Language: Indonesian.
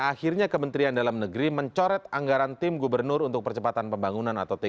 akhirnya kementerian dalam negeri mencoret anggaran tim gubernur untuk percepatan pembangunan atau tkp